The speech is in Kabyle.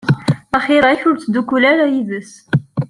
Axir-ak ur ttdukkul ara yid-s.